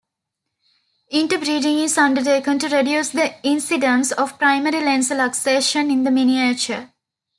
Interbreeding is undertaken to reduce the incidence of Primary Lens Luxation in the Miniature.